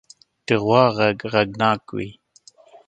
د غوا غږ غږناک وي.